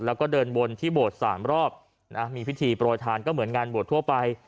แล้วก็เดินวนที่โบสถ์๓รอบมีพิธีโปรยทานก็เหมือนงานบวชทั่วไป